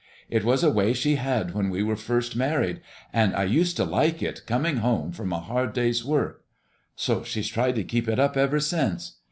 It was a way she had when we were first married, and I used to like it, coming home from a hard day's work; so she's tried to keep it up ever since.